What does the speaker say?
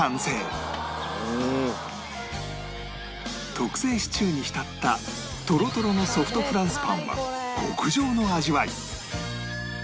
特製シチューに浸ったトロトロのソフトフランスパンは極上の味わい